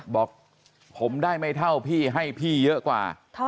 บอกผมได้ไม่เท่าพี่ให้พี่เยอะกว่า